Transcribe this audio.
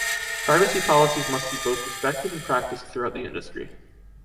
Privacy policies must be both respected and practiced throughout the industry.